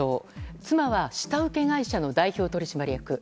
妻は下請け会社の代表取締役。